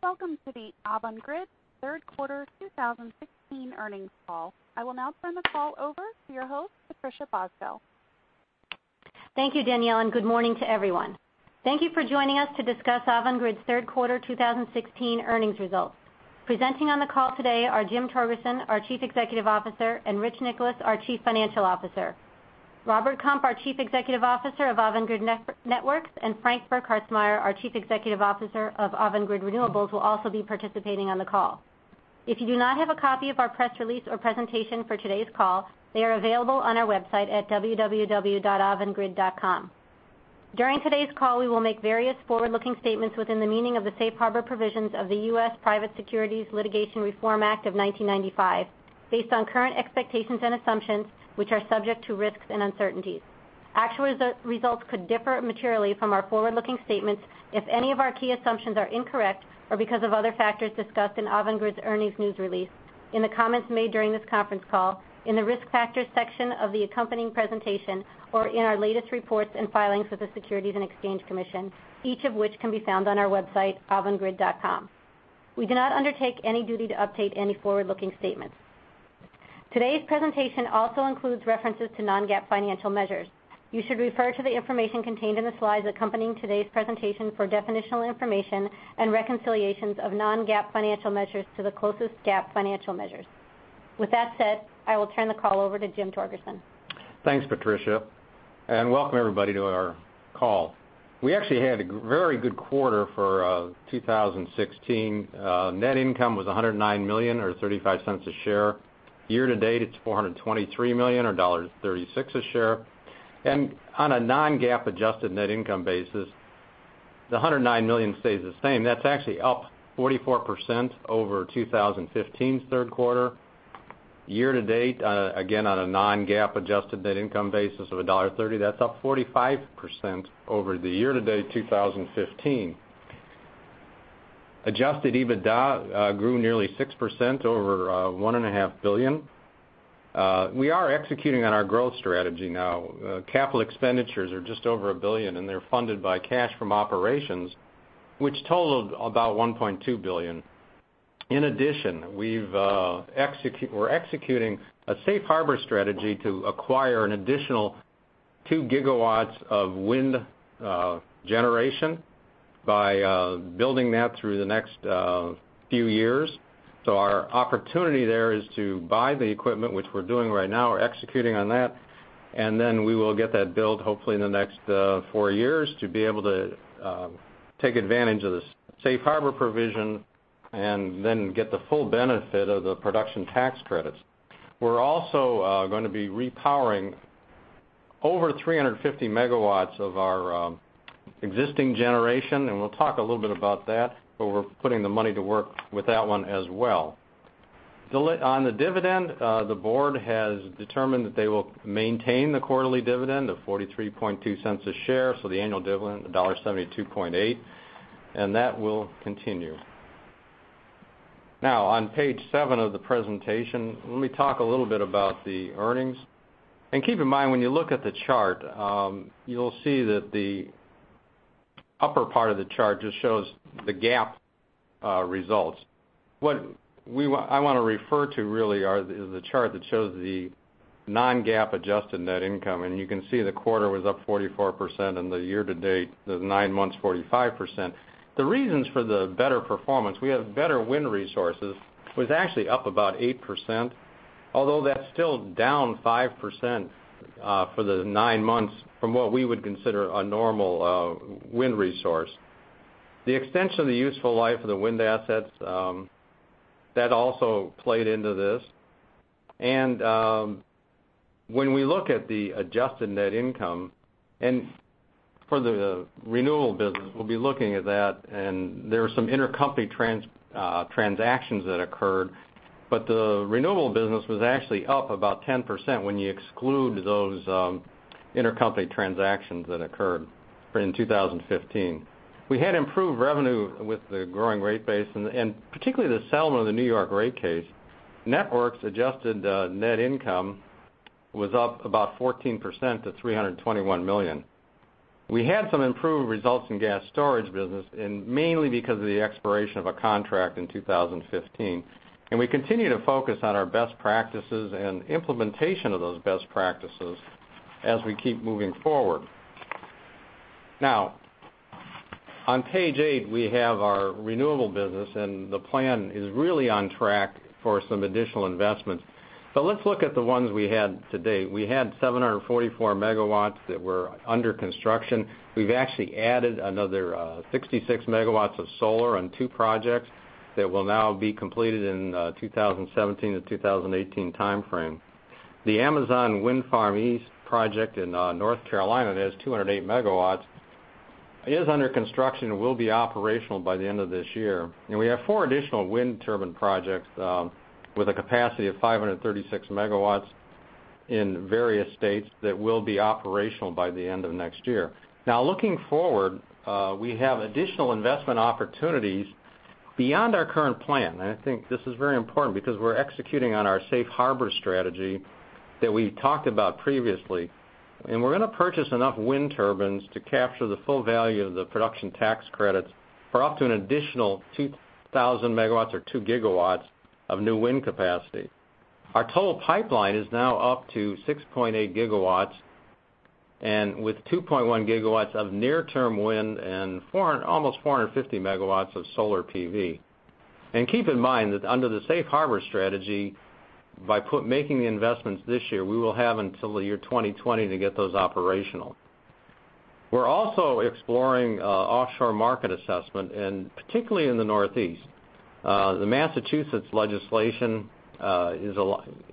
Welcome to the Avangrid third quarter 2016 earnings call. I will now turn the call over to your host, Patricia Cosgel. Thank you, Danielle, and good morning to everyone. Thank you for joining us to discuss Avangrid's third quarter 2016 earnings results. Presenting on the call today are Jim Torgerson, our Chief Executive Officer, and Rich Nicholas, our Chief Financial Officer. Robert Kump, our Chief Executive Officer of Avangrid Networks, and Frank Burkhartsmeyer, our Chief Executive Officer of Avangrid Renewables, will also be participating on the call. If you do not have a copy of our press release or presentation for today's call, they are available on our website at www.avangrid.com. During today's call, we will make various forward-looking statements within the meaning of the safe harbor provisions of the U.S. Private Securities Litigation Reform Act of 1995, based on current expectations and assumptions, which are subject to risks and uncertainties. Actual results could differ materially from our forward-looking statements if any of our key assumptions are incorrect or because of other factors discussed in Avangrid's earnings news release, in the comments made during this conference call, in the risk factors section of the accompanying presentation, or in our latest reports and filings with the Securities and Exchange Commission, each of which can be found on our website, avangrid.com. We do not undertake any duty to update any forward-looking statements. Today's presentation also includes references to non-GAAP financial measures. You should refer to the information contained in the slides accompanying today's presentation for definitional information and reconciliations of non-GAAP financial measures to the closest GAAP financial measures. With that said, I will turn the call over to Jim Torgerson. Thanks, Patricia, and welcome everybody to our call. We actually had a very good quarter for 2016. Net income was $109 million, or $0.35 a share. Year-to-date, it's $423 million, or $1.36 a share. On a non-GAAP adjusted net income basis, the $109 million stays the same. That's actually up 44% over 2015's third quarter. Year-to-date, again, on a non-GAAP adjusted net income basis of $1.30, that's up 45% over the year-to-date 2015. Adjusted EBITDA grew nearly 6% over $1.5 billion. We are executing on our growth strategy now. Capital expenditures are just over $1 billion, and they're funded by cash from operations, which totaled about $1.2 billion. In addition, we're executing a safe harbor strategy to acquire an additional two gigawatts of wind generation by building that through the next few years. Our opportunity there is to buy the equipment, which we're doing right now, we're executing on that, then we will get that built hopefully in the next four years to be able to take advantage of the safe harbor provision and then get the full benefit of the production tax credits. We're also going to be repowering over 350 MW of our existing generation, and we'll talk a little bit about that, but we're putting the money to work with that one as well. On the dividend, the board has determined that they will maintain the quarterly dividend of $0.432 a share, so the annual dividend $172.8, and that will continue. On page seven of the presentation, let me talk a little bit about the earnings. Keep in mind, when you look at the chart, you'll see that the upper part of the chart just shows the GAAP results. What I want to refer to really is the chart that shows the non-GAAP adjusted net income, and you can see the quarter was up 44%, and the year-to-date, the nine months, 45%. The reasons for the better performance, we have better wind resources, was actually up about 8%, although that's still down 5% for the nine months from what we would consider a normal wind resource. The extension of the useful life of the wind assets, that also played into this. When we look at the adjusted net income, and for the renewable business, we'll be looking at that, and there are some intercompany transactions that occurred, but the renewable business was actually up about 10% when you exclude those intercompany transactions that occurred in 2015. We had improved revenue with the growing rate base and particularly the settlement of the N.Y. rate case. Networks adjusted net income was up about 14% to $321 million. We had some improved results in gas storage business, mainly because of the expiration of a contract in 2015. We continue to focus on our best practices and implementation of those best practices as we keep moving forward. On page eight, we have our renewable business, and the plan is really on track for some additional investments. Let's look at the ones we had to date. We had 744 MW that were under construction. We've actually added another 66 MW of solar on two projects that will now be completed in 2017-2018 timeframe. The Amazon Wind Farm East project in North Carolina that is 208 MW is under construction and will be operational by the end of this year. We have four additional wind turbine projects with a capacity of 536 MW in various states that will be operational by the end of next year. Looking forward, we have additional investment opportunities beyond our current plan, and I think this is very important because we're executing on our safe harbor strategy that we talked about previously, and we're going to purchase enough wind turbines to capture the full value of the production tax credits for up to an additional 2,000 MW or 2 GW of new wind capacity. Our total pipeline is now up to 6.8 gigawatts, with 2.1 gigawatts of near-term wind and almost 450 megawatts of solar PV. Keep in mind that under the safe harbor strategy, by making the investments this year, we will have until the year 2020 to get those operational. We're also exploring offshore market assessment, particularly in the Northeast. The Massachusetts legislation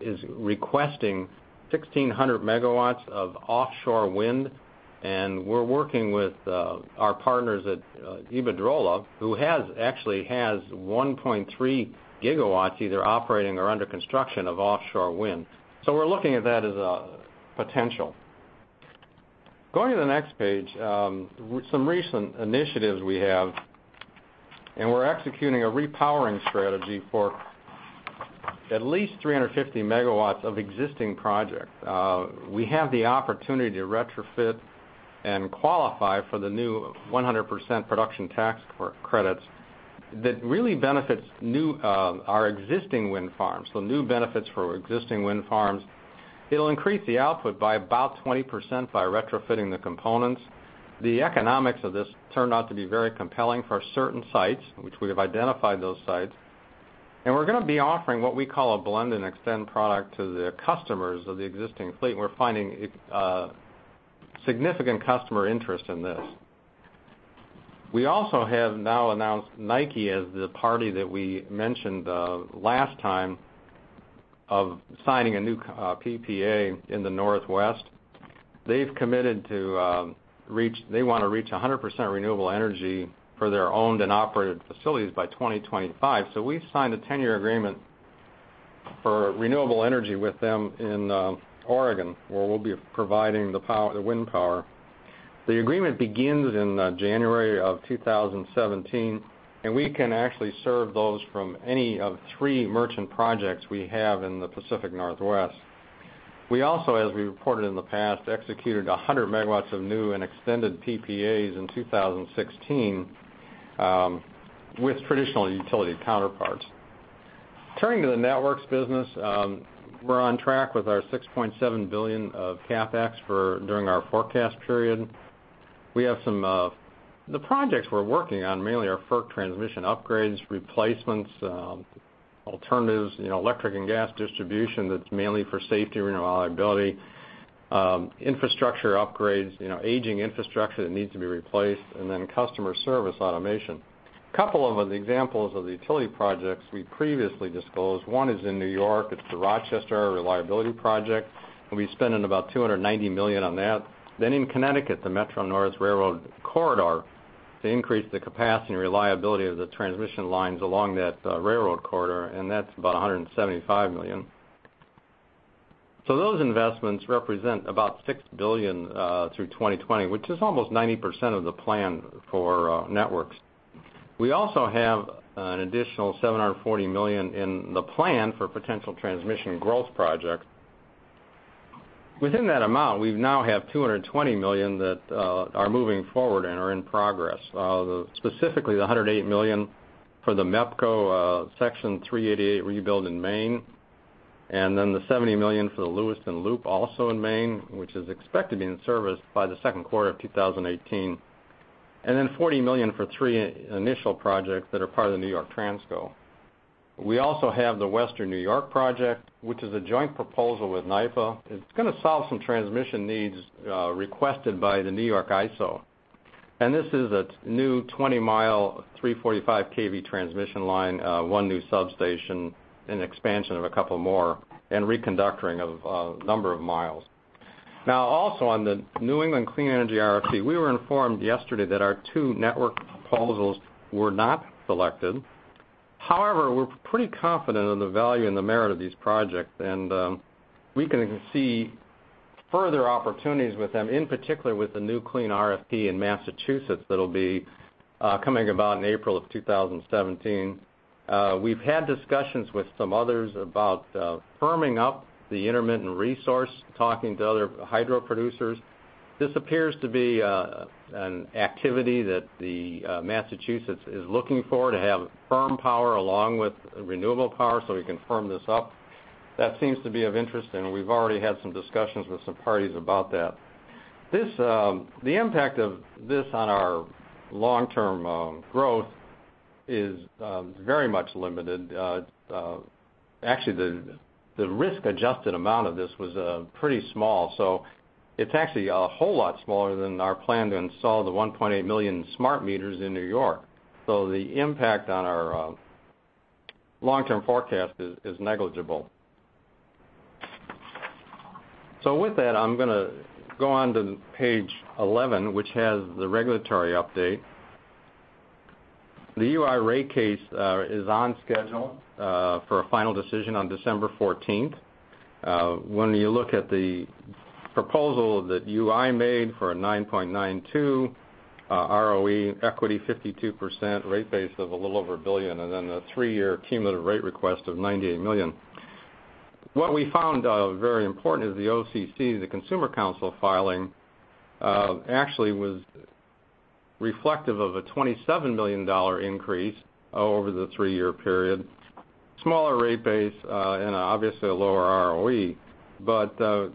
is requesting 1,600 megawatts of offshore wind, we're working with our partners at Iberdrola, who actually has 1.3 gigawatts either operating or under construction of offshore wind. We're looking at that as a potential. Going to the next page, some recent initiatives we have, we're executing a repowering strategy for at least 350 megawatts of existing projects. We have the opportunity to retrofit and qualify for the new 100% production tax credits that really benefits our existing wind farms, new benefits for existing wind farms. It'll increase the output by about 20% by retrofitting the components. The economics of this turned out to be very compelling for certain sites, which we have identified those sites. We're going to be offering what we call a blend and extend product to the customers of the existing fleet, we're finding significant customer interest in this. We also have now announced Nike as the party that we mentioned last time of signing a new PPA in the Northwest. They want to reach 100% renewable energy for their owned and operated facilities by 2025, we've signed a 10-year agreement for renewable energy with them in Oregon, where we'll be providing the wind power. The agreement begins in January of 2017, we can actually serve those from any of three merchant projects we have in the Pacific Northwest. We also, as we reported in the past, executed 100 megawatts of new and extended PPAs in 2016 with traditional utility counterparts. Turning to the networks business, we're on track with our $6.7 billion of CapEx during our forecast period. The projects we're working on mainly are FERC transmission upgrades, replacements, alternatives, electric and gas distribution that's mainly for safety and reliability, infrastructure upgrades, aging infrastructure that needs to be replaced, customer service automation. A couple of the examples of the utility projects we previously disclosed. One is in New York, it's the Rochester Reliability Project, we're spending about $290 million on that. In Connecticut, the Metro-North Railroad Corridor to increase the capacity and reliability of the transmission lines along that railroad corridor, that's about $175 million. Those investments represent about $6 billion through 2020, which is almost 90% of the plan for networks. We also have an additional $740 million in the plan for potential transmission growth projects. Within that amount, we now have $220 million that are moving forward and are in progress. Specifically, the $108 million for the MEPCO Section 388 rebuild in Maine, the $70 million for the Lewiston Loop, also in Maine, which is expected in service by the second quarter of 2018. $40 million for three initial projects that are part of the New York Transco. We also have the Western New York project, which is a joint proposal with NYPA. It's going to solve some transmission needs requested by the New York ISO. This is a new 20-mile, 345 kV transmission line, one new substation, an expansion of a couple more, and reconductoring of a number of miles. Also on the New England Clean Energy RFP, we were informed yesterday that our two network proposals were not selected. However, we're pretty confident in the value and the merit of these projects, and we can see further opportunities with them, in particular with the new clean RFP in Massachusetts that'll be coming about in April of 2017. We've had discussions with some others about firming up the intermittent resource, talking to other hydro producers. This appears to be an activity that Massachusetts is looking for to have firm power along with renewable power, so we can firm this up. That seems to be of interest, and we've already had some discussions with some parties about that. The impact of this on our long-term growth is very much limited. Actually, the risk-adjusted amount of this was pretty small. It's actually a whole lot smaller than our plan to install the 1.8 million smart meters in New York. The impact on our long-term forecast is negligible. With that, I'm going to go on to page 11, which has the regulatory update. The UI rate case is on schedule for a final decision on December 14th. When you look at the proposal that UI made for a 9.92 ROE equity, 52% rate base of a little over a billion, and then the three-year cumulative rate request of $98 million. What we found very important is the OCC, the Consumer Council filing, actually was reflective of a $27 million increase over the three-year period, smaller rate base, and obviously a lower ROE.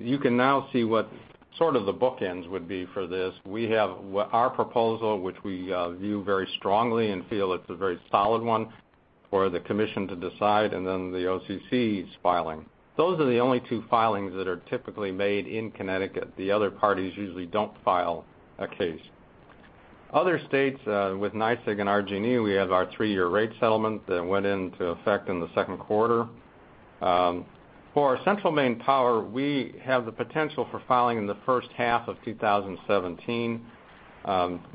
You can now see what sort of the bookends would be for this. We have our proposal, which we view very strongly and feel it's a very solid one for the commission to decide, and then the OCC's filing. Those are the only two filings that are typically made in Connecticut. The other parties usually don't file a case. Other states with NYSEG and RG&E, we have our three-year rate settlement that went into effect in the second quarter. For our Central Maine Power, we have the potential for filing in the first half of 2017.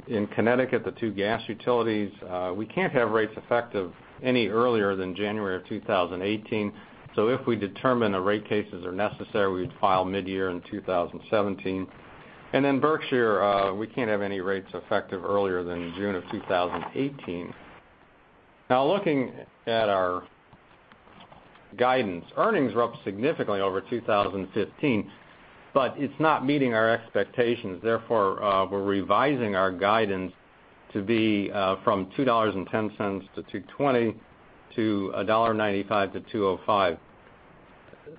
In Connecticut, the two gas utilities, we can't have rates effective any earlier than January of 2018. If we determine the rate cases are necessary, we'd file mid-year in 2017. Berkshire, we can't have any rates effective earlier than June of 2018. Looking at our guidance. Earnings were up significantly over 2015, but it's not meeting our expectations. Therefore, we're revising our guidance to be from $2.10-$2.20 to $1.95-$2.05.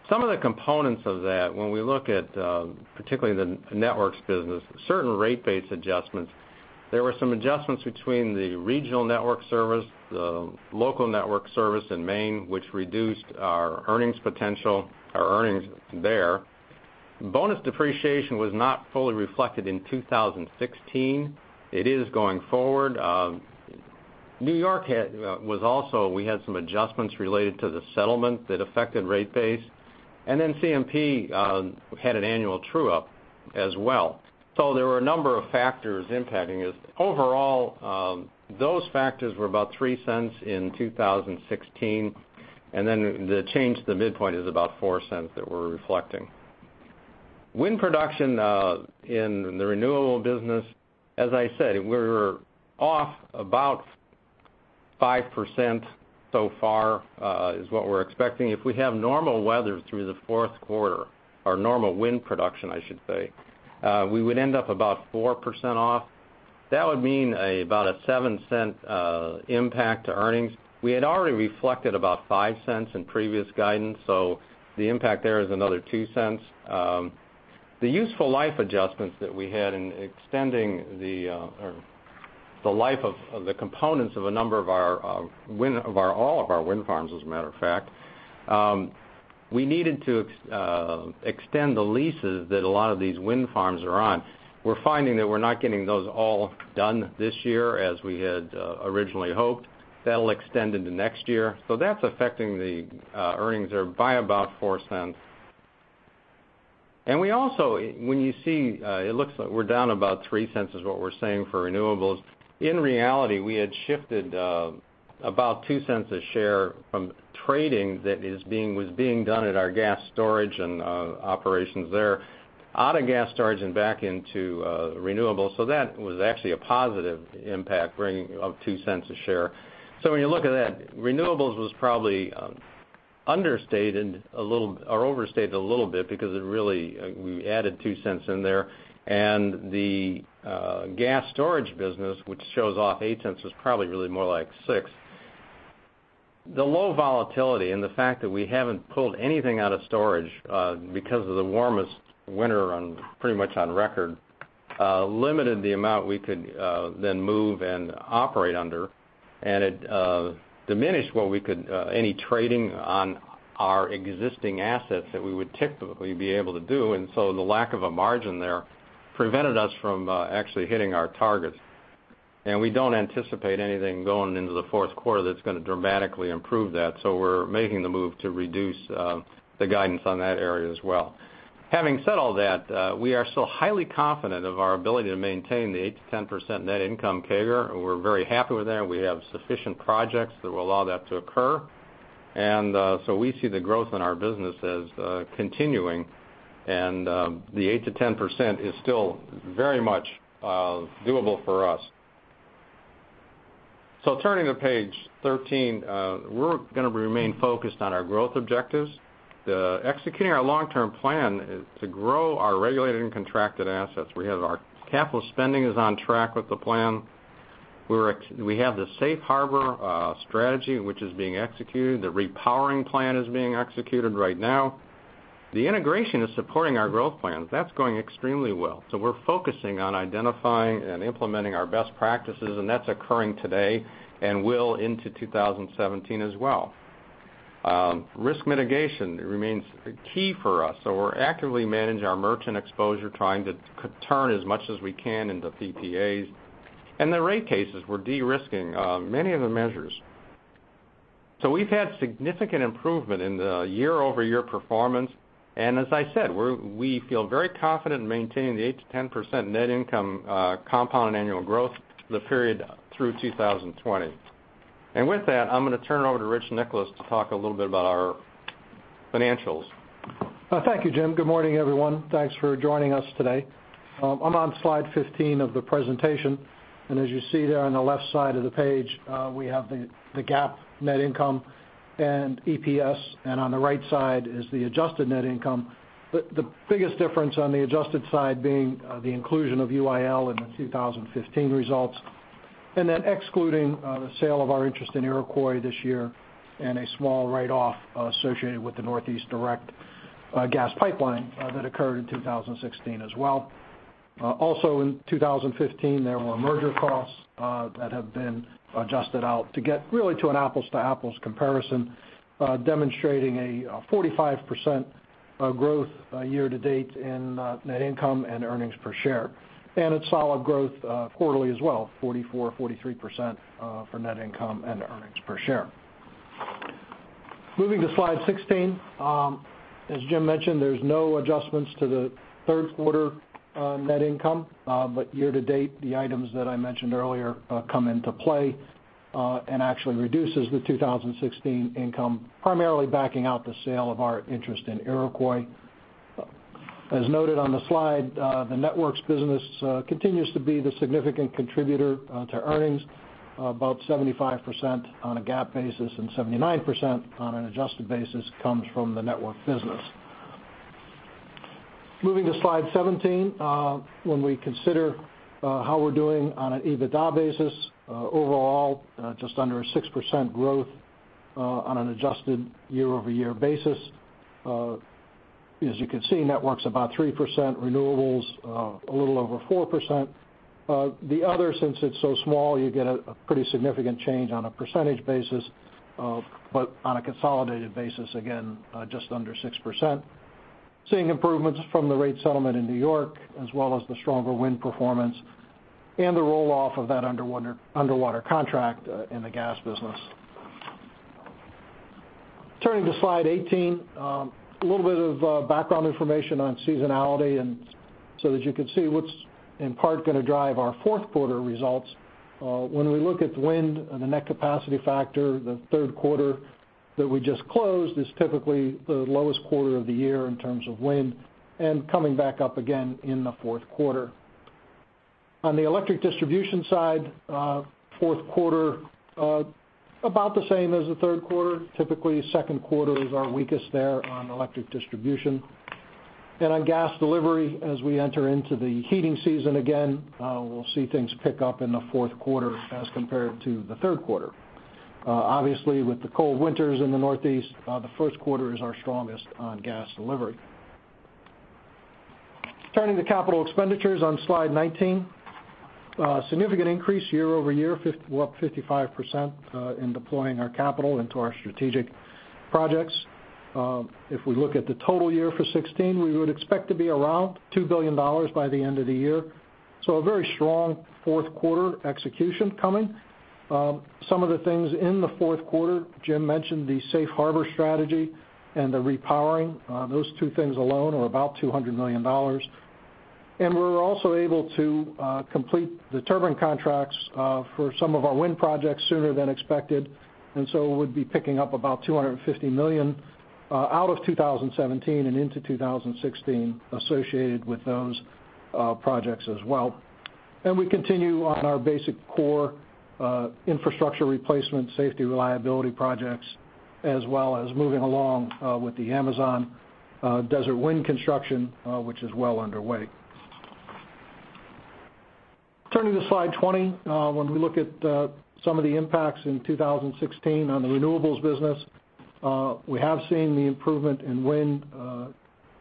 Some of the components of that, when we look at particularly the networks business, certain rate base adjustments, there were some adjustments between the Regional Network Service, the Local Network Service in Maine, which reduced our earnings potential, our earnings there. Bonus depreciation was not fully reflected in 2016. It is going forward. New York, we had some adjustments related to the settlement that affected rate base. CMP had an annual true-up as well. There were a number of factors impacting it. Overall, those factors were about $0.03 in 2016. Then the change to the midpoint is about $0.04 that we're reflecting. Wind production in the renewable business, as I said, we're off about 5% so far, is what we're expecting. If we have normal weather through the fourth quarter or normal wind production, I should say, we would end up about 4% off. That would mean about a $0.07 impact to earnings. We had already reflected about $0.05 in previous guidance, so the impact there is another $0.02. The useful life adjustments that we had in extending the life of the components of all of our wind farms, as a matter of fact, we needed to extend the leases that a lot of these wind farms are on. We're finding that we're not getting those all done this year as we had originally hoped. That'll extend into next year. That's affecting the earnings there by about $0.04. We also, when you see, it looks like we're down about $0.03 is what we're saying for renewables. In reality, we had shifted about $0.02 a share from trading that was being done at our gas storage and operations there out of gas storage and back into renewables. That was actually a positive impact bringing of $0.02 a share. When you look at that, renewables was probably overstated a little bit because we added $0.02 in there. The gas storage business, which shows off $0.08, was probably really more like six. The low volatility and the fact that we haven't pulled anything out of storage because of the warmest winter pretty much on record limited the amount we could then move and operate under. It diminished any trading on our existing assets that we would typically be able to do. The lack of a margin there prevented us from actually hitting our targets. We don't anticipate anything going into the fourth quarter that's going to dramatically improve that. We're making the move to reduce the guidance on that area as well. Having said all that, we are still highly confident of our ability to maintain the 8%-10% net income CAGR. We're very happy with that. We have sufficient projects that will allow that to occur. We see the growth in our business as continuing, and the 8%-10% is still very much doable for us. Turning to page 13, we're going to remain focused on our growth objectives. Executing our long-term plan to grow our regulated and contracted assets. We have our capital spending is on track with the plan. We have the safe harbor strategy, which is being executed. The repowering plan is being executed right now. The integration is supporting our growth plans. That's going extremely well. We're focusing on identifying and implementing our best practices, and that's occurring today and will into 2017 as well. Risk mitigation remains key for us. We're actively managing our merchant exposure, trying to turn as much as we can into PPAs. The rate cases, we're de-risking many of the measures. We've had significant improvement in the year-over-year performance. As I said, we feel very confident in maintaining the 8%-10% net income compound annual growth for the period through 2020. With that, I'm going to turn it over to Rich Nicholas to talk a little bit about our financials. Thank you, Jim. Good morning, everyone. Thanks for joining us today. I'm on slide 15 of the presentation. As you see there on the left side of the page, we have the GAAP net income and EPS. On the right side is the adjusted net income. The biggest difference on the adjusted side being the inclusion of UIL in the 2015 results, then excluding the sale of our interest in Iroquois this year, and a small write-off associated with the Northeast Energy Direct Project that occurred in 2016 as well. Also in 2015, there were merger costs that have been adjusted out to get really to an apples-to-apples comparison, demonstrating a 45% growth year-to-date in net income and earnings per share. It's solid growth quarterly as well, 44%-43% for net income and earnings per share. Moving to slide 16. As Jim mentioned, there's no adjustments to the third quarter net income. Year-to-date, the items that I mentioned earlier come into play and actually reduces the 2016 income, primarily backing out the sale of our interest in Iroquois. As noted on the slide, the networks business continues to be the significant contributor to earnings. About 75% on a GAAP basis and 79% on an adjusted basis comes from the network business. Moving to slide 17. When we consider how we're doing on an EBITDA basis, overall, just under a 6% growth on an adjusted year-over-year basis. As you can see, networks about 3%, renewables a little over 4%. The other, since it's so small, you get a pretty significant change on a percentage basis. On a consolidated basis, again, just under 6%. Seeing improvements from the rate settlement in New York, as well as the stronger wind performance and the roll-off of that underwater contract in the gas business. Turning to slide 18. A little bit of background information on seasonality, that you can see what's in part going to drive our fourth quarter results. When we look at wind and the net capacity factor, the third quarter that we just closed is typically the lowest quarter of the year in terms of wind, and coming back up again in the fourth quarter. On the electric distribution side, fourth quarter about the same as the third quarter. Typically, second quarter is our weakest there on electric distribution. On gas delivery, as we enter into the heating season again, we'll see things pick up in the fourth quarter as compared to the third quarter. Obviously, with the cold winters in the Northeast, the first quarter is our strongest on gas delivery. Turning to capital expenditures on slide 19. A significant increase year-over-year, up 55% in deploying our capital into our strategic projects. If we look at the total year for 2016, we would expect to be around $2 billion by the end of the year. A very strong fourth quarter execution coming. Some of the things in the fourth quarter, Jim mentioned the safe harbor strategy and the repowering. Those two things alone are about $200 million. We're also able to complete the turbine contracts for some of our wind projects sooner than expected. We would be picking up about $250 million out of 2017 and into 2016 associated with those projects as well. We continue on our basic core infrastructure replacement, safety, reliability projects, as well as moving along with the Amazon Desert Wind construction, which is well underway. Turning to slide 20. When we look at some of the impacts in 2016 on the renewables business, we have seen the improvement in wind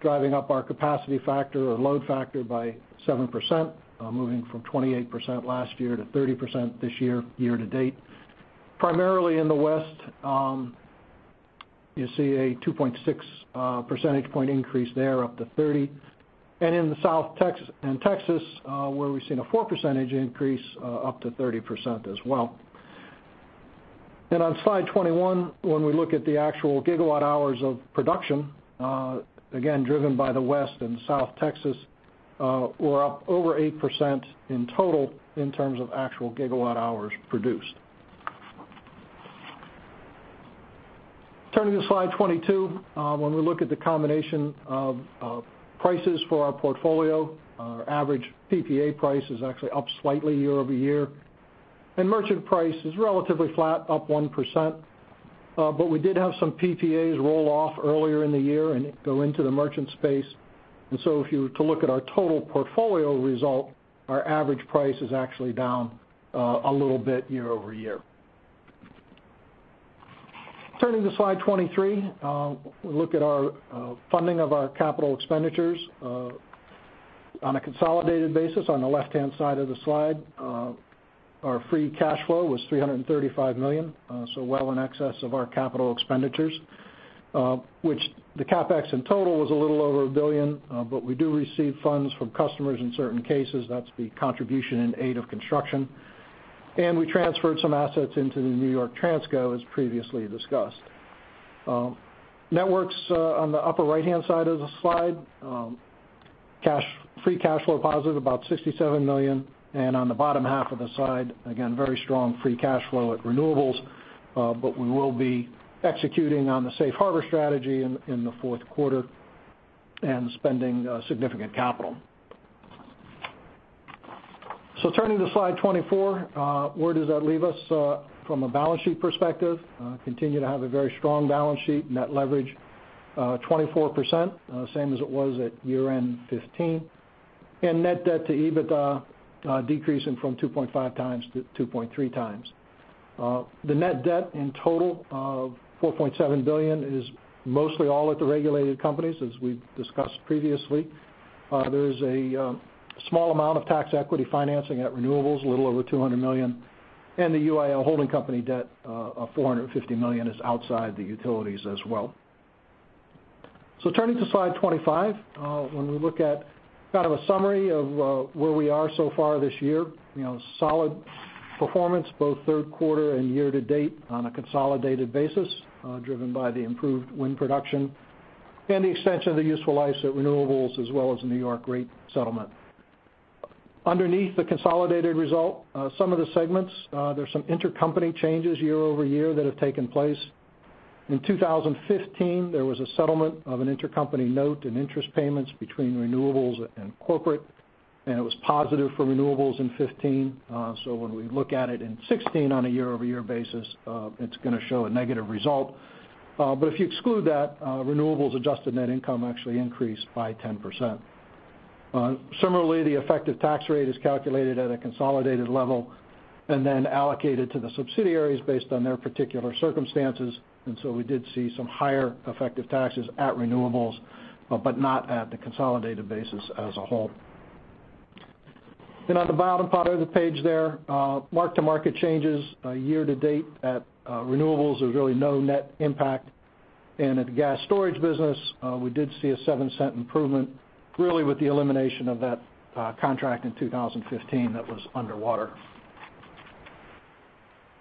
driving up our capacity factor or load factor by 7%, moving from 28% last year to 30% this year-to-date. Primarily in the West, you see a 2.6 percentage point increase there up to 30%. In the South and Texas, where we've seen a 4 percentage increase up to 30% as well. On slide 21, when we look at the actual gigawatt hours of production, again, driven by the West and South Texas, we're up over 8% in total in terms of actual gigawatt hours produced. Turning to slide 22. When we look at the combination of prices for our portfolio, our average PPA price is actually up slightly year-over-year. Merchant price is relatively flat, up 1%. We did have some PPAs roll off earlier in the year and go into the merchant space. If you were to look at our total portfolio result, our average price is actually down a little bit year-over-year. Turning to slide 23. We look at our funding of our capital expenditures. On a consolidated basis, on the left-hand side of the slide, our free cash flow was $335 million, so well in excess of our capital expenditures. Which the CapEx in total was a little over $1 billion, but we do receive funds from customers in certain cases. That's the contribution in aid of construction. We transferred some assets into the New York Transco, as previously discussed. Networks, on the upper right-hand side of the slide, free cash flow positive, about $67 million. On the bottom half of the slide, again, very strong free cash flow at renewables, but we will be executing on the safe harbor strategy in the fourth quarter and spending significant capital. Turning to slide 24, where does that leave us from a balance sheet perspective? Continue to have a very strong balance sheet, net leverage 24%, same as it was at year-end 2015, and net debt to EBITDA decreasing from 2.5 times to 2.3 times. The net debt in total of $4.7 billion is mostly all at the regulated companies, as we've discussed previously. There's a small amount of tax equity financing at renewables, a little over $200 million, and the UIL holding company debt of $450 million is outside the utilities as well. Turning to slide 25. When we look at a summary of where we are so far this year, solid performance, both third quarter and year-to-date on a consolidated basis, driven by the improved wind production and the extension of the useful asset renewables as well as New York rate settlement. Underneath the consolidated result, some of the segments, there's some intercompany changes year-over-year that have taken place. In 2015, there was a settlement of an intercompany note and interest payments between renewables and corporate, and it was positive for renewables in 2015. When we look at it in 2016 on a year-over-year basis, it's going to show a negative result. If you exclude that, Renewables adjusted net income actually increased by 10%. Similarly, the effective tax rate is calculated at a consolidated level and then allocated to the subsidiaries based on their particular circumstances. We did see some higher effective taxes at Renewables, but not at the consolidated basis as a whole. On the bottom part of the page there, mark-to-market changes year-to-date at Renewables, there's really no net impact. At the gas storage business, we did see a $0.07 improvement, really with the elimination of that contract in 2015 that was underwater.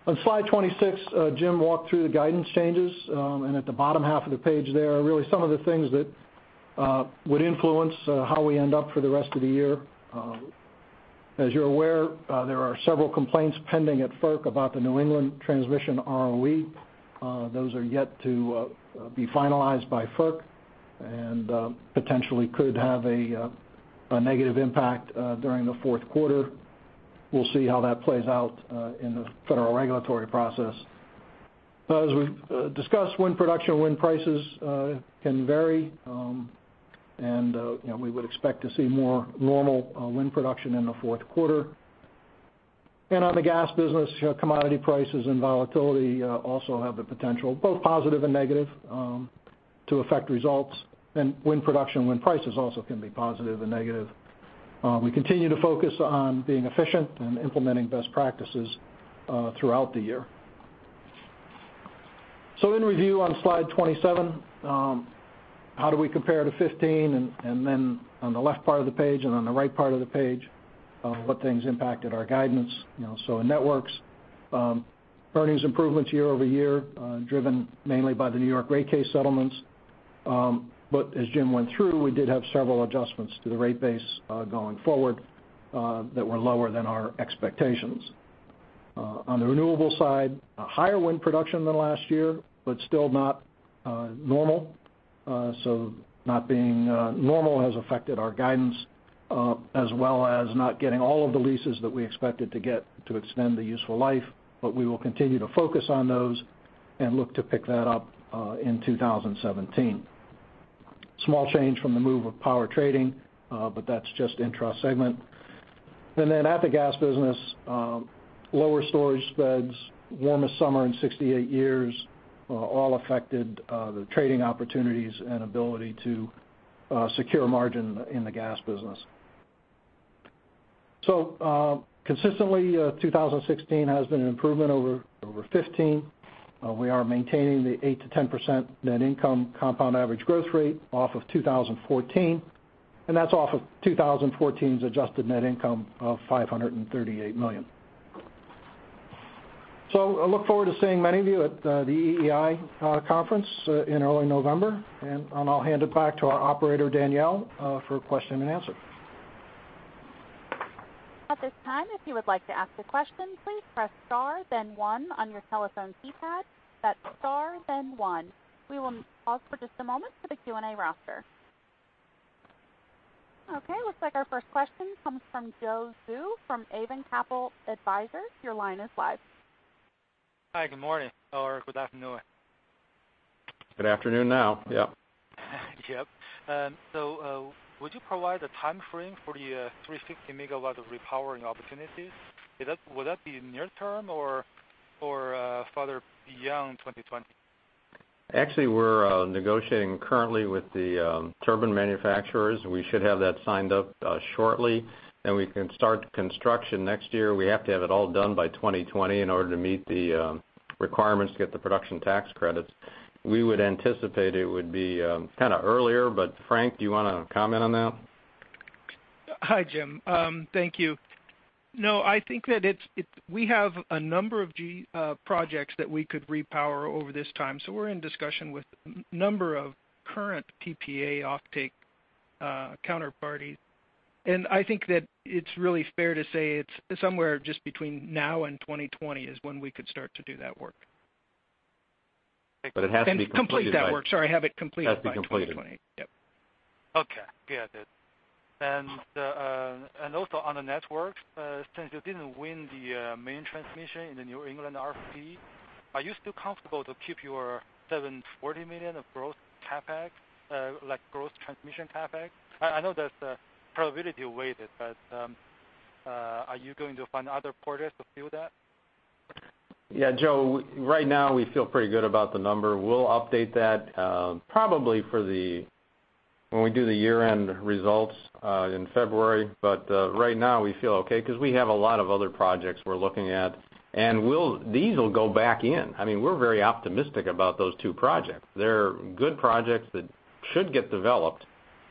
On slide 26, Jim walked through the guidance changes. At the bottom half of the page there are really some of the things that would influence how we end up for the rest of the year. As you're aware, there are several complaints pending at FERC about the New England transmission ROE. Those are yet to be finalized by FERC, and potentially could have a negative impact during the fourth quarter. We'll see how that plays out in the federal regulatory process. As we've discussed, wind production and wind prices can vary, we would expect to see more normal wind production in the fourth quarter. On the gas business, commodity prices and volatility also have the potential, both positive and negative, to affect results. Wind production and wind prices also can be positive and negative. We continue to focus on being efficient and implementing best practices throughout the year. In review on slide 27, how do we compare to 2015? On the left part of the page and on the right part of the page, what things impacted our guidance? In Networks, earnings improvements year-over-year, driven mainly by the New York rate case settlements. As Jim went through, we did have several adjustments to the rate base going forward that were lower than our expectations. On the Renewables side, a higher wind production than last year, but still not normal. Not being normal has affected our guidance, as well as not getting all of the leases that we expected to get to extend the useful life. We will continue to focus on those and look to pick that up in 2017. Small change from the move of power trading, but that's just intra-segment. At the gas business, lower storage spreads, warmest summer in 68 years, all affected the trading opportunities and ability to secure margin in the gas business. Consistently, 2016 has been an improvement over 2015. We are maintaining the 8%-10% net income compound average growth rate off of 2014, and that's off of 2014's adjusted net income of $538 million. I look forward to seeing many of you at the EEI conference in early November. I'll hand it back to our operator, Danielle, for question and answer. At this time, if you would like to ask a question, please press star then one on your telephone keypad. That's star then one. We will pause for just a moment for the Q&A roster. Okay, looks like our first question comes from Joe Zhu from Avon Capital Advisors. Your line is live. Good afternoon now, yep. Yep. Would you provide a timeframe for the 350 megawatts of repowering opportunities? Would that be near term or farther beyond 2020? Actually, we're negotiating currently with the turbine manufacturers. We should have that signed up shortly, and we can start construction next year. We have to have it all done by 2020 in order to meet the requirements to get the production tax credits. We would anticipate it would be kind of earlier, but Frank, do you want to comment on that? Hi, Jim. Thank you. I think that we have a number of projects that we could repower over this time. We're in discussion with a number of current PPA offtake counterparties, I think that it's really fair to say it's somewhere just between now and 2020 is when we could start to do that work. It has to be completed by- Complete that work. Sorry, have it completed by 2020. Has to be completed. Yep. Okay. Get it. Also on the networks, since you didn't win the New England RFP, are you still comfortable to keep your $740 million of growth CapEx, like growth transmission CapEx? I know that's probability weighted, are you going to find other projects to fill that? Yeah, Joe, right now we feel pretty good about the number. We'll update that probably when we do the year-end results in February. Right now we feel okay because we have a lot of other projects we're looking at. These will go back in. We're very optimistic about those two projects. They're good projects that should get developed,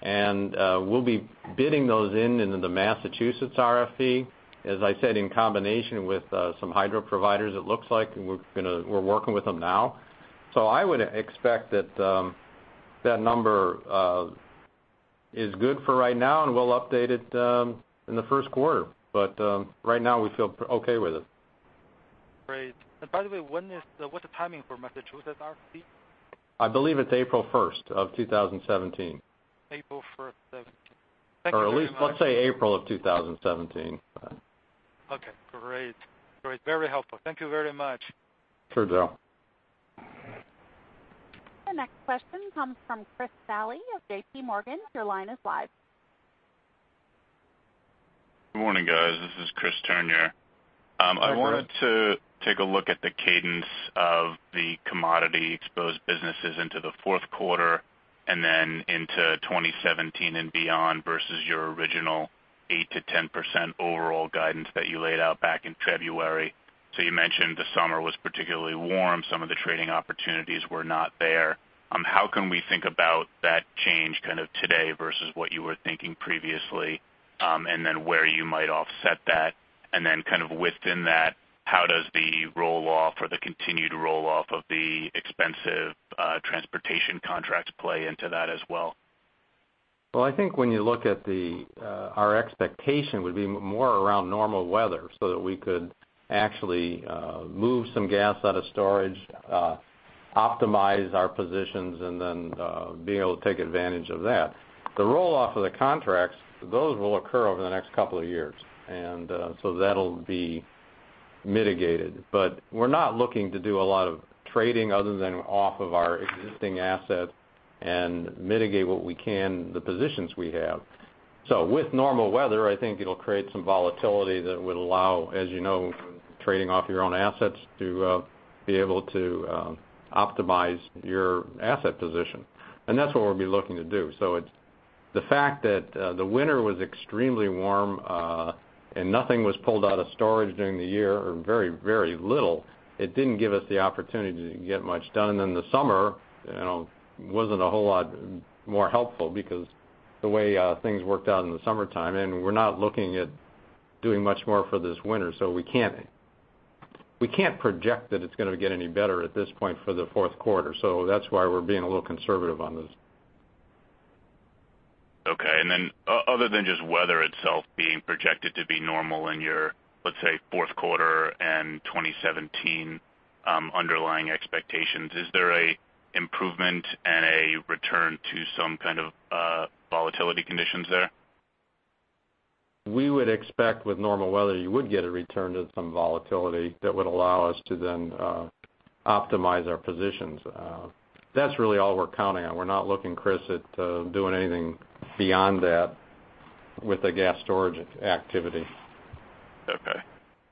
we'll be bidding those in into the Massachusetts RFP, as I said, in combination with some hydro providers, it looks like, and we're working with them now. I would expect that that number is good for right now, and we'll update it in the first quarter. Right now we feel okay with it. Great. By the way, what's the timing for Massachusetts RFP? I believe it's April 1st of 2017. April 1st, 2017. Thank you very much. At least, let's say April of 2017. Okay, great. Very helpful. Thank you very much. Sure, Joe. The next question comes from Chris Salley of JPMorgan. Your line is live. Good morning, guys. This is Chris Turner. Hi, Chris. I wanted to take a look at the cadence of the commodity exposed businesses into the fourth quarter and then into 2017 and beyond versus your original 8%-10% overall guidance that you laid out back in February. You mentioned the summer was particularly warm. Some of the trading opportunities were not there. How can we think about that change kind of today versus what you were thinking previously, and then where you might offset that, and then kind of within that, how does the roll off or the continued roll off of the expensive transportation contracts play into that as well? Well, I think when you look at our expectation would be more around normal weather so that we could actually move some gas out of storage, optimize our positions, be able to take advantage of that. The roll off of the contracts, those will occur over the next couple of years, that'll be mitigated. We're not looking to do a lot of trading other than off of our existing assets and mitigate what we can, the positions we have. With normal weather, I think it'll create some volatility that would allow, as you know, trading off your own assets to be able to optimize your asset position. That's what we'll be looking to do. The fact that the winter was extremely warm, nothing was pulled out of storage during the year or very little, it didn't give us the opportunity to get much done. The summer wasn't a whole lot more helpful because the way things worked out in the summertime, we're not looking at doing much more for this winter. We can't project that it's going to get any better at this point for the fourth quarter. That's why we're being a little conservative on this. Okay. Other than just weather itself being projected to be normal in your, let's say, fourth quarter and 2017 underlying expectations, is there an improvement and a return to some kind of volatility conditions there? We would expect with normal weather, you would get a return to some volatility that would allow us to optimize our positions. That's really all we're counting on. We're not looking, Chris, at doing anything beyond that with the gas storage activity. Okay.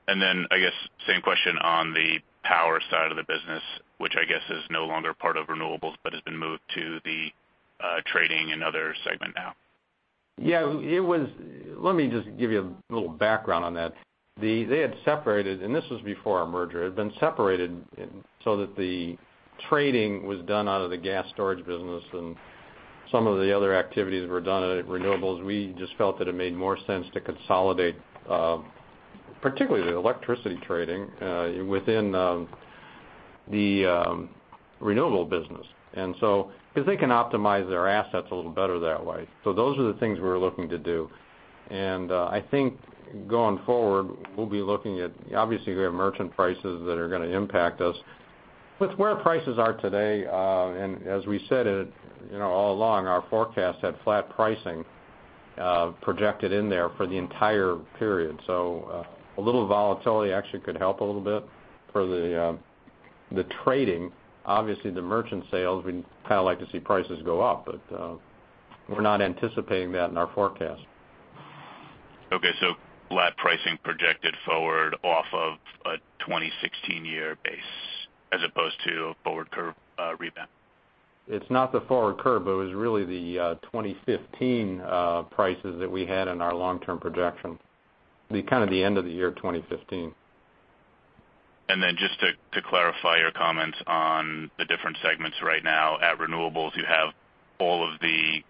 I guess same question on the power side of the business, which I guess is no longer part of Renewables, but has been moved to the Trading and Other Segment now. Let me just give you a little background on that. They had separated, and this was before our merger, had been separated so that the trading was done out of the gas storage business and some of the other activities were done out of Renewables. We just felt that it made more sense to consolidate particularly the electricity trading within the Renewable business. They can optimize their assets a little better that way. Those are the things we're looking to do. I think going forward, we'll be looking at, obviously, we have merchant prices that are going to impact us. Where prices are today, and as we said it all along, our forecast had flat pricing projected in there for the entire period. A little volatility actually could help a little bit for the trading. Obviously, the merchant sales, we kind of like to see prices go up, but we're not anticipating that in our forecast. Okay. Flat pricing projected forward off of a 2016 year base as opposed to a forward curve rebound. It's not the forward curve. It was really the 2015 prices that we had in our long-term projection, kind of the end of the year 2015. Just to clarify your comments on the different segments right now. At Renewables, you have all of the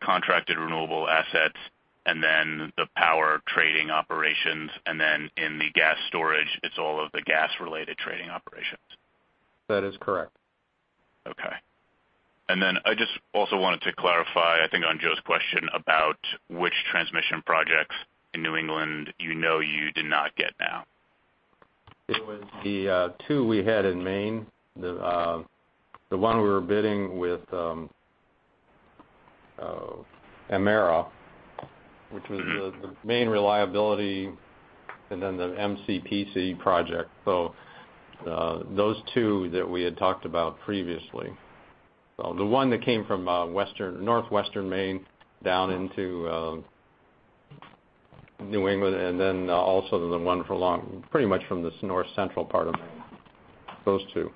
contracted renewable assets and then the power trading operations, and then in the gas storage, it's all of the gas-related trading operations. That is correct. Okay. I just also wanted to clarify, I think on Joe's question about which transmission projects in New England you know you did not get now. It was the two we had in Maine. The one we were bidding with Emera, which was the main reliability, and then the MEPCO project. Those two that we had talked about previously. The one that came from Northwestern Maine down into New England, and then also the one pretty much from this North Central part of Maine, those two.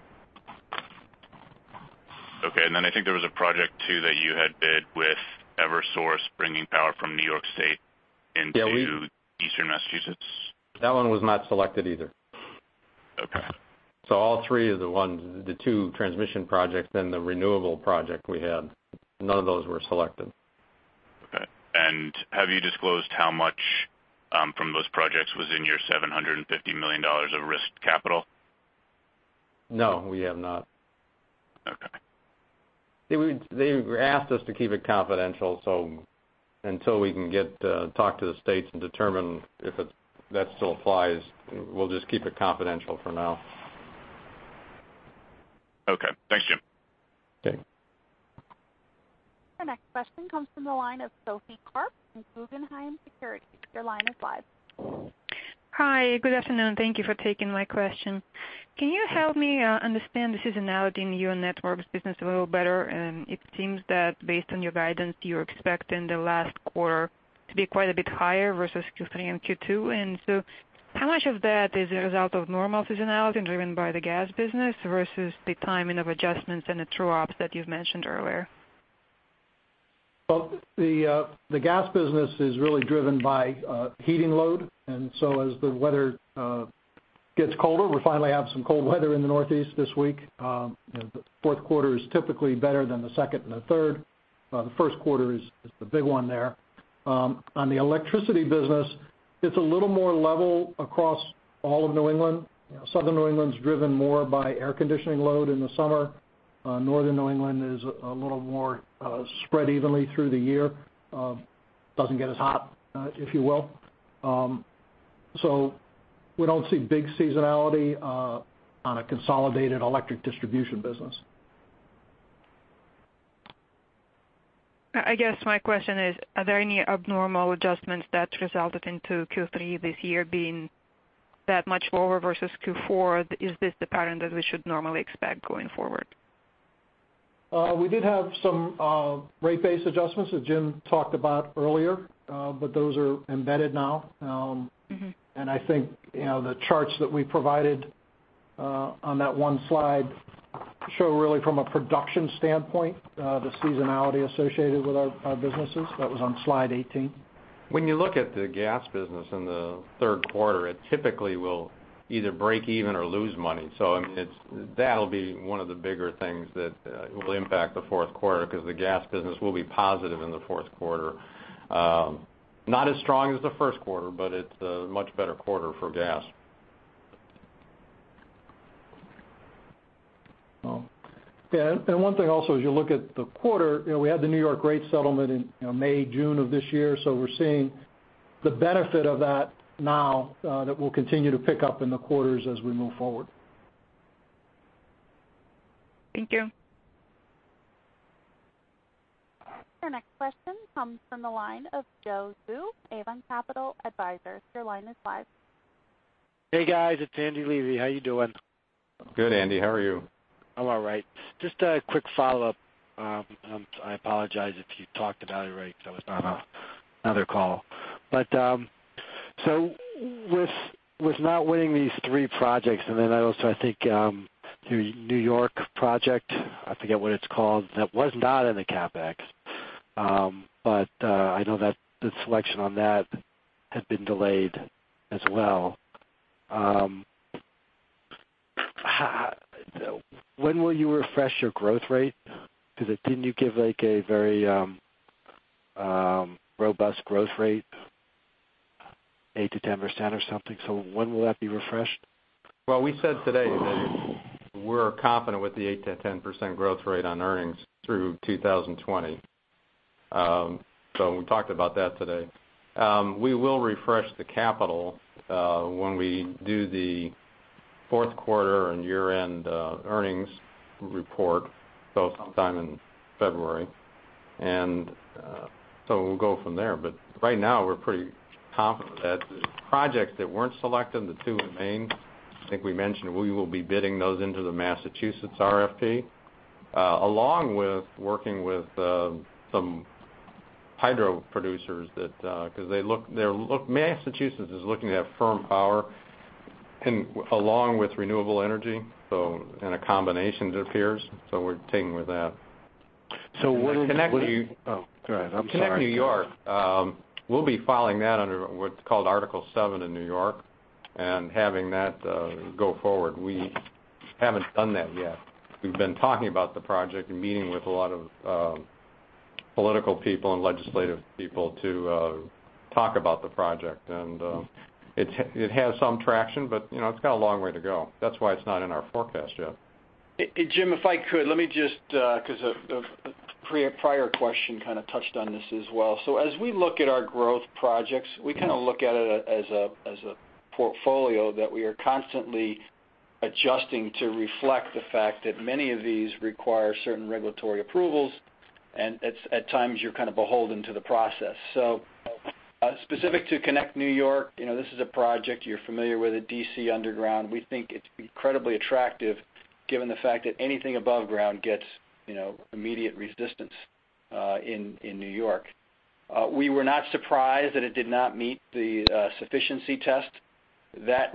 Okay. I think there was a project too that you had bid with Eversource bringing power from New York State into- Yeah, we- Eastern Massachusetts. That one was not selected either. Okay. All three of the ones, the two transmission projects, the renewable project we had, none of those were selected. Okay. Have you disclosed how much from those projects was in your $750 million of risk capital? No, we have not. Okay. They asked us to keep it confidential, until we can talk to the states and determine if that still applies, we'll just keep it confidential for now. Okay. Thanks, Jim. Okay. The next question comes from the line of Sophie Karp from Guggenheim Securities. Your line is live. Hi. Good afternoon. Thank you for taking my question. Can you help me understand the seasonality in your networks business a little better? It seems that based on your guidance, you're expecting the last quarter to be quite a bit higher versus Q3 and Q2. How much of that is a result of normal seasonality driven by the gas business versus the timing of adjustments and the true ups that you've mentioned earlier? Well, the gas business is really driven by heating load, and so as the weather gets colder, we finally have some cold weather in the Northeast this week. The fourth quarter is typically better than the second and the third. The first quarter is the big one there. On the electricity business, it's a little more level across all of New England. Southern New England is driven more by air conditioning load in the summer. Northern New England is a little more spread evenly through the year. Doesn't get as hot, if you will. We don't see big seasonality on a consolidated electric distribution business. I guess my question is, are there any abnormal adjustments that resulted into Q3 this year being that much lower versus Q4? Is this the pattern that we should normally expect going forward? We did have some rate base adjustments, as Jim talked about earlier. Those are embedded now. I think the charts that we provided on that one slide show really from a production standpoint, the seasonality associated with our businesses. That was on slide 18. When you look at the gas business in the third quarter, it typically will either break even or lose money. I mean, that'll be one of the bigger things that will impact the fourth quarter because the gas business will be positive in the fourth quarter. Not as strong as the first quarter, it's a much better quarter for gas. Well, yeah, one thing also, as you look at the quarter, we had the New York rate settlement in May, June of this year, we're seeing the benefit of that now that will continue to pick up in the quarters as we move forward. Thank you. Your next question comes from the line of Joe Zou, Avon Capital Advisors. Your line is live. Hey, guys. It's Andy Levy. How you doing? Good, Andy. How are you? I'm all right. Just a quick follow-up. I apologize if you talked about it already because I was not on the other call. With not winning these three projects, and then also I think the New York project, I forget what it's called, that was not in the CapEx. I know that the selection on that had been delayed as well. When will you refresh your growth rate? Didn't you give a very robust growth rate, 8%-10% or something? When will that be refreshed? We said today that we're confident with the 8%-10% growth rate on earnings through 2020. We talked about that today. We will refresh the capital when we do the fourth quarter and year-end earnings report, sometime in February. We'll go from there. Right now, we're pretty confident that the projects that weren't selected, the two in Maine, I think we mentioned we will be bidding those into the Massachusetts RFP, along with working with some hydro producers because Massachusetts is looking to have firm power along with renewable energy, in a combination, it appears. We're toying with that. So what is- Connect- Oh, go ahead. I'm sorry. Connect New York, we'll be filing that under what's called Article VII in New York and having that go forward. We haven't done that yet. We've been talking about the project and meeting with a lot of political people and legislative people to talk about the project. It has some traction, but it's got a long way to go. That's why it's not in our forecast yet. Jim, if I could, let me just, because a prior question kind of touched on this as well. As we look at our growth projects, we kind of look at it as a portfolio that we are constantly adjusting to reflect the fact that many of these require certain regulatory approvals, and at times, you're kind of beholden to the process. Specific to Connect New York, this is a project you're familiar with, a DC underground. We think it's incredibly attractive given the fact that anything above ground gets immediate resistance in New York. We were not surprised that it did not meet the sufficiency test.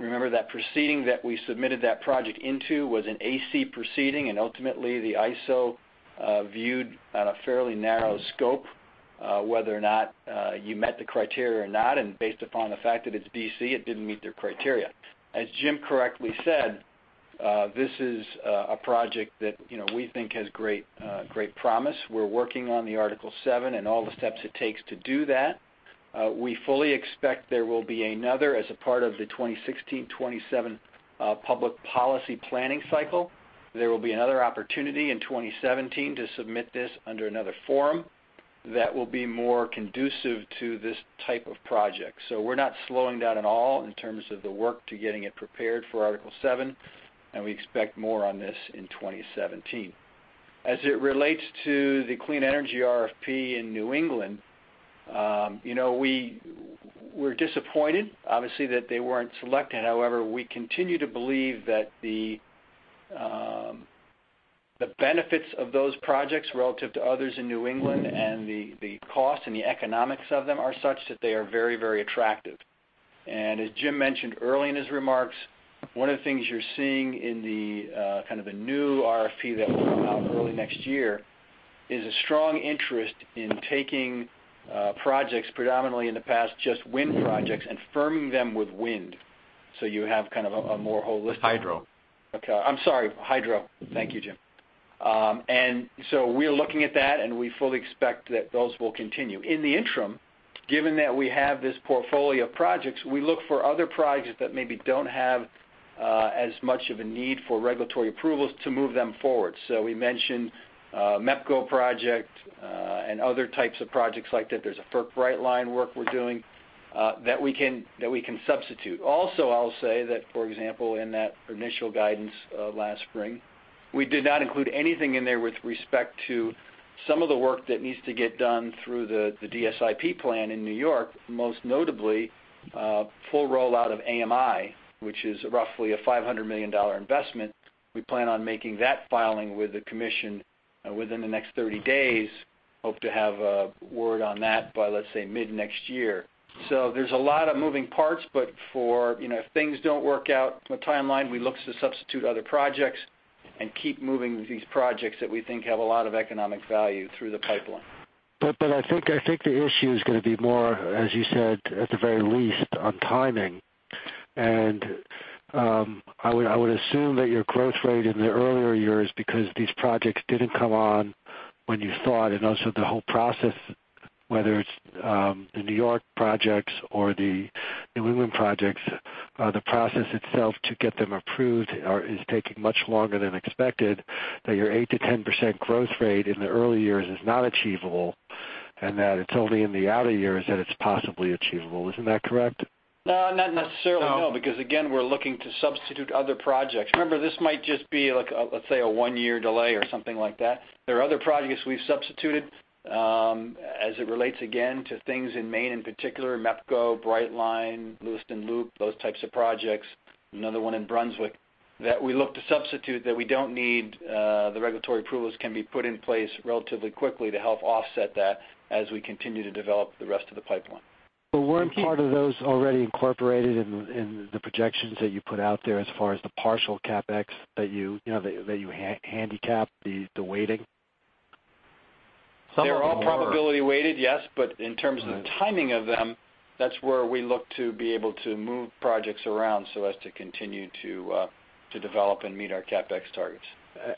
Remember, that proceeding that we submitted that project into was an AC proceeding, ultimately, the ISO viewed on a fairly narrow scope, whether or not you met the criteria or not, based upon the fact that it's DC, it didn't meet their criteria. As Jim correctly said, this is a project that we think has great promise. We're working on the Article VII and all the steps it takes to do that. We fully expect there will be another, as a part of the 2016-2027 public policy planning cycle, there will be another opportunity in 2017 to submit this under another forum that will be more conducive to this type of project. We're not slowing down at all in terms of the work to getting it prepared for Article VII, and we expect more on this in 2017. As it relates to the New England Clean Energy RFP, we're disappointed obviously that they weren't selected. However, we continue to believe that the benefits of those projects relative to others in New England and the cost and the economics of them are such that they are very attractive. As Jim mentioned early in his remarks, one of the things you're seeing in the new RFP that will come out early next year is a strong interest in taking projects, predominantly in the past, just wind projects, and firming them with wind. Hydro. Okay. I'm sorry, hydro. Thank you, Jim. We're looking at that, and we fully expect that those will continue. In the interim, given that we have this portfolio of projects, we look for other projects that maybe don't have as much of a need for regulatory approvals to move them forward. We mentioned MEPCO project, and other types of projects like that. There's a FERC Brightline work we're doing that we can substitute. Also, I'll say that, for example, in that initial guidance last spring, we did not include anything in there with respect to some of the work that needs to get done through the DSIP plan in N.Y., most notably, full rollout of AMI, which is roughly a $500 million investment. We plan on making that filing with the commission within the next 30 days. Hope to have a word on that by, let's say, mid-next year. There's a lot of moving parts, but if things don't work out with the timeline, we look to substitute other projects and keep moving these projects that we think have a lot of economic value through the pipeline. I think the issue is going to be more, as you said, at the very least, on timing. I would assume that your growth rate in the earlier years, because these projects didn't come on when you thought, and also the whole process, whether it's the New York projects or the New England projects, the process itself to get them approved is taking much longer than expected, that your 8%-10% growth rate in the early years is not achievable, and that it's only in the outer years that it's possibly achievable. Isn't that correct? No, not necessarily. No. Because again, we're looking to substitute other projects. Remember, this might just be, let's say, a one-year delay or something like that. There are other projects we've substituted, as it relates again to things in Maine in particular, MEPCO, Brightline, Lewiston Loop, those types of projects, another one in Brunswick, that we look to substitute that we don't need the regulatory approvals can be put in place relatively quickly to help offset that as we continue to develop the rest of the pipeline. Weren't part of those already incorporated in the projections that you put out there as far as the partial CapEx that you handicap the weighting? Some of them were. They're all probability weighted, yes. In terms of the timing of them, that's where we look to be able to move projects around so as to continue to develop and meet our CapEx targets.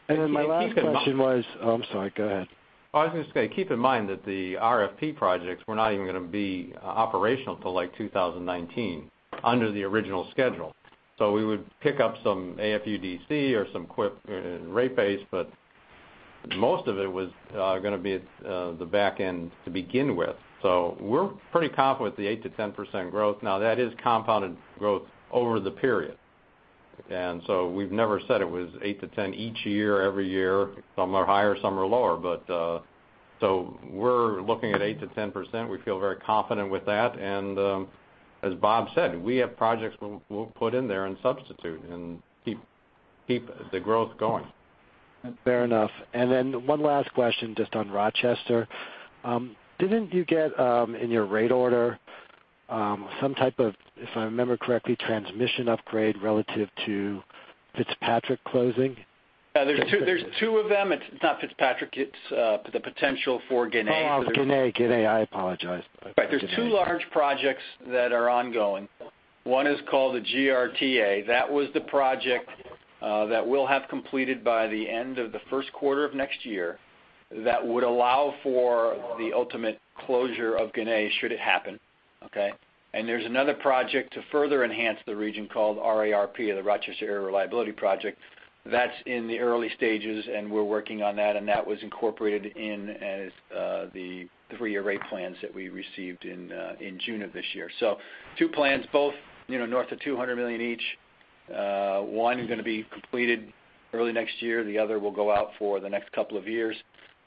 My last question was. Oh, I'm sorry. Go ahead. I was going to say, keep in mind that the RFP projects were not even going to be operational till like 2019 under the original schedule. We would pick up some AFUDC or some rate base, but most of it was going to be at the back end to begin with. We're pretty confident with the 8%-10% growth. Now, that is compounded growth over the period. We've never said it was 8%-10% each year, every year. Some are higher, some are lower. We're looking at 8%-10%. We feel very confident with that. As Bob said, we have projects we'll put in there and substitute and keep the growth going. Fair enough. Then one last question, just on Rochester. Didn't you get in your rate order some type of, if I remember correctly, transmission upgrade relative to FitzPatrick closing? There's two of them. It's not FitzPatrick. It's the potential for Ginna. Oh, Ginna. I apologize. Right. There's two large projects that are ongoing. One is called the GRTA. That was the project that we'll have completed by the end of the first quarter of next year that would allow for the ultimate closure of Ginna should it happen. Okay. There's another project to further enhance the region called RARP, or the Rochester Area Reliability Project. That's in the early stages, and we're working on that, and that was incorporated in the three-year rate plans that we received in June of this year. Two plans, both north of $200 million each. One is going to be completed early next year, the other will go out for the next couple of years.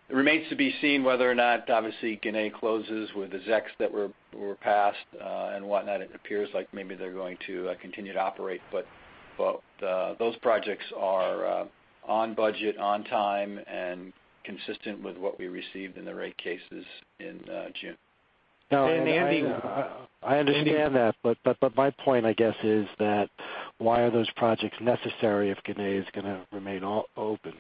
It remains to be seen whether or not, obviously, Ginna closes with the ZECs that were passed and whatnot. It appears like maybe they're going to continue to operate. Those projects are on budget, on time, and consistent with what we received in the rate cases in June. No, Andy. Andy. I understand that, my point, I guess, is that why are those projects necessary if Ginna is going to remain open?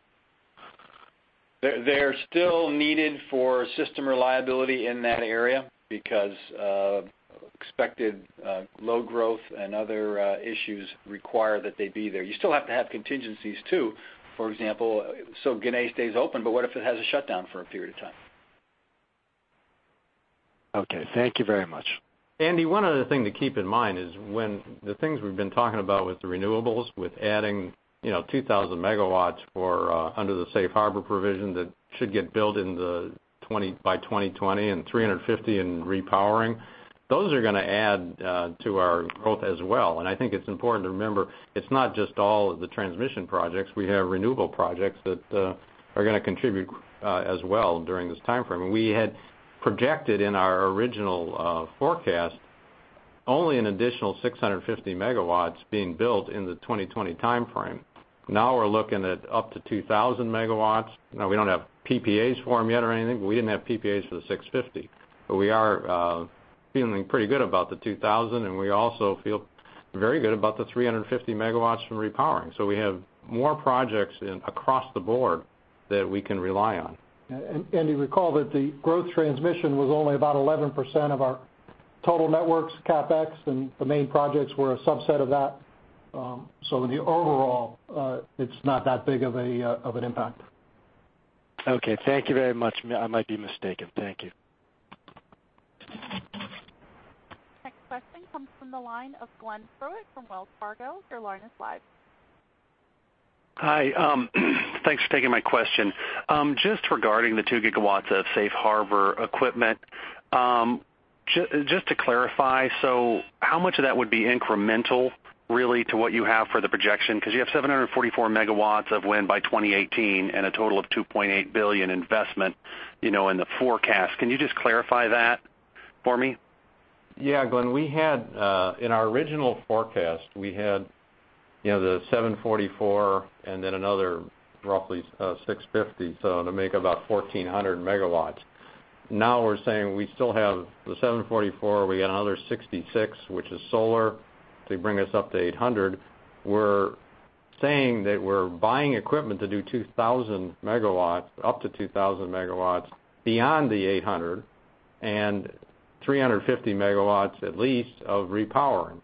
They're still needed for system reliability in that area because expected low growth and other issues require that they be there. You still have to have contingencies too. For example, so Ginna stays open, but what if it has a shutdown for a period of time? Okay. Thank you very much. Andy, one other thing to keep in mind is when the things we've been talking about with the renewables, with adding 2,000 MW under the safe harbor provision, that should get built by 2020, and 350 in repowering. Those are going to add to our growth as well. I think it's important to remember, it's not just all of the transmission projects. We have renewable projects that are going to contribute as well during this timeframe. We had projected in our original forecast only an additional 650 MW being built in the 2020 timeframe. Now we're looking at up to 2,000 MW. Now, we don't have PPAs for them yet or anything, but we didn't have PPAs for the 650. We are feeling pretty good about the 2,000, and we also feel very good about the 350 MW from repowering. We have more projects across the board that we can rely on. Andy, recall that the growth transmission was only about 11% of our total networks CapEx, and the main projects were a subset of that. In the overall, it's not that big of an impact. Okay. Thank you very much. I might be mistaken. Thank you. Next question comes from the line of Glenn Froehlich from Wells Fargo. Your line is live. Hi. Thanks for taking my question. Just regarding the 2 GW of safe harbor equipment, just to clarify, how much of that would be incremental, really, to what you have for the projection? Because you have 744 MW of wind by 2018 and a total of $2.8 billion investment in the forecast. Can you just clarify that for me? Yeah, Glenn. In our original forecast, we had the 744 and then another roughly 650, to make about 1,400 MW. Now we're saying we still have the 744, we got another 66, which is solar, to bring us up to 800. We're saying that we're buying equipment to do 2,000 MW, up to 2,000 MW beyond the 800, and 350 MW at least of repowering.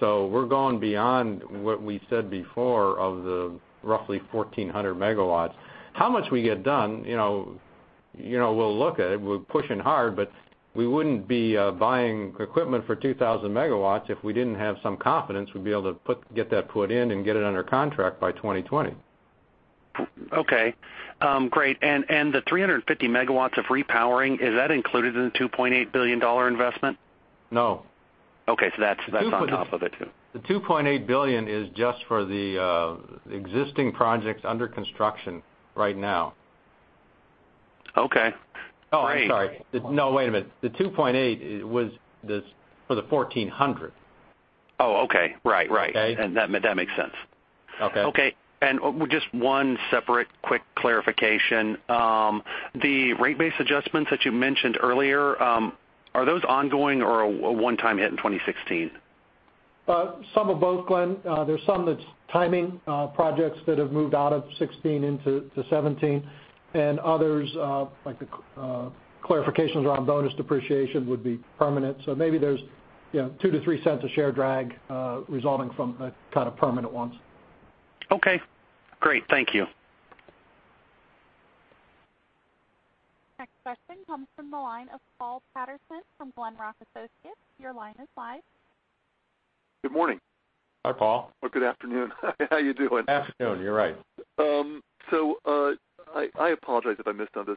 We're going beyond what we said before of the roughly 1,400 MW. How much we get done, we'll look at it. We're pushing hard, but we wouldn't be buying equipment for 2,000 MW if we didn't have some confidence we'd be able to get that put in and get it under contract by 2020. Okay. Great. Is the 350 MW of repowering included in the $2.8 billion investment? No. Okay, that's on top of it too. The $2.8 billion is just for the existing projects under construction right now. Okay. Great. Oh, I'm sorry. No, wait a minute. The 2.8 was for the 1,400. Oh, okay. Right. Okay? That makes sense. Okay. Okay. Just one separate quick clarification. The rate base adjustments that you mentioned earlier, are those ongoing or a one-time hit in 2016? Some of both, Glenn. There's some that's timing projects that have moved out of 16 into 17, and others, like the clarifications around bonus depreciation would be permanent. Maybe there's $0.02-$0.03 a share drag resulting from the kind of permanent ones. Okay, great. Thank you. Next question comes from the line of Paul Patterson from Glenrock Associates. Your line is live. Good morning. Hi, Paul. Good afternoon. How you doing? Afternoon, you're right. I apologize if I missed on this,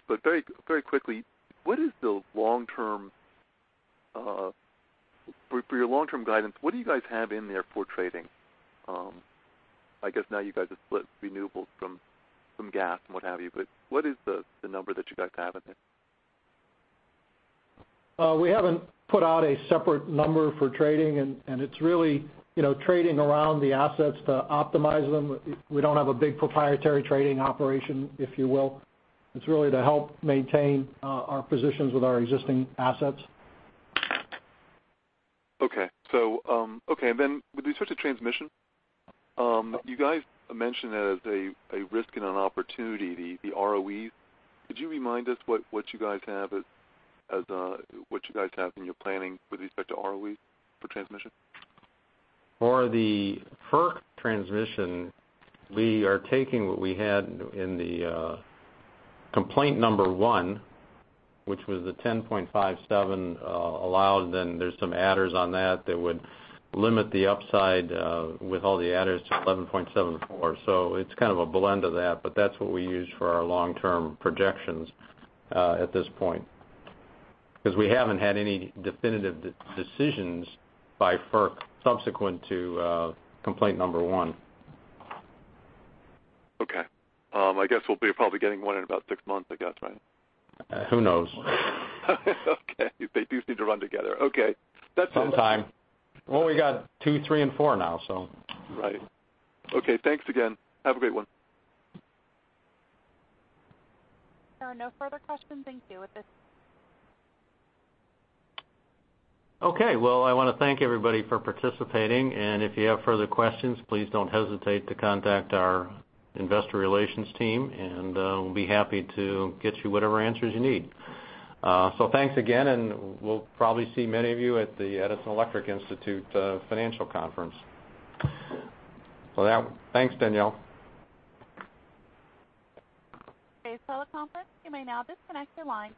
very quickly, for your long-term guidance, what do you guys have in there for trading? I guess now you guys have split Renewables from gas and what have you, what is the number that you guys have in there? We haven't put out a separate number for trading, and it's really trading around the assets to optimize them. We don't have a big proprietary trading operation, if you will. It's really to help maintain our positions with our existing assets. Okay. With respect to transmission, you guys mentioned as a risk and an opportunity, the ROEs. Could you remind us what you guys have in your planning with respect to ROE for transmission? For the FERC transmission, we are taking what we had in the complaint number 1, which was the 10.57 allowed, there's some adders on that that would limit the upside with all the adders to 11.74. It's kind of a blend of that, but that's what we use for our long-term projections at this point. We haven't had any definitive decisions by FERC subsequent to complaint number 1. Okay. I guess we'll be probably getting one in about six months, I guess, right? Who knows? Okay. They do seem to run together. Okay. That's it. Sometime. Well, we got two, three, and four now. Right. Okay, thanks again. Have a great one. There are no further questions in queue at this time. Okay. Well, I want to thank everybody for participating. If you have further questions, please don't hesitate to contact our investor relations team. We'll be happy to get you whatever answers you need. Thanks again. We'll probably see many of you at the Edison Electric Institute Financial Conference. With that, thanks, Danielle. Okay. The conference, you may now disconnect your lines.